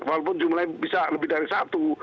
walaupun jumlahnya bisa lebih dari satu